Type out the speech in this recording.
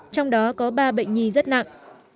trong đó có ba bệnh nhi rất nặng